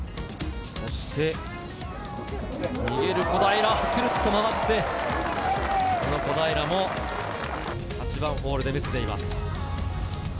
逃げる小平、くるっと回って、小平も８番ホールで見せています。